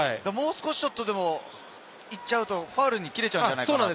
ちょっとでもいっちゃうとファウルに切れちゃうんじゃないかって。